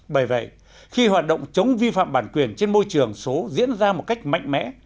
bởi vậy khi hoạt động chống vi phạm bản quyền trên môi trường số diễn ra một cách mạnh mẽ